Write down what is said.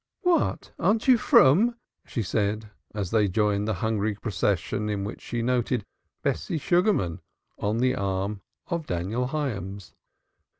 "What, aren't you frooms?" she said, as they joined the hungry procession in which she noted Bessie Sugarman on the arm of Daniel Hyams.